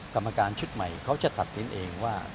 กรรมการชุดใหม่เขาจะตัดสินเองว่า